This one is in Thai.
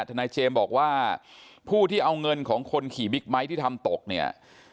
ทนายเจมส์บอกว่าผู้ที่เอาเงินของคนขี่บิ๊กไบท์ที่ทำตกเนี่ย